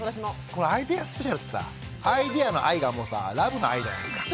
このアイデアスペシャルってさアイデアの「アイ」がもうさラブの「愛」じゃないですか。